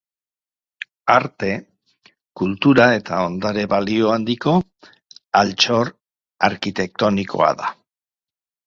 Arte, kultura eta ondare-balio handiko altxor arkitektonikoa da.